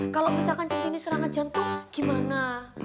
kalo misalkan centini serang ajaan tuh gimana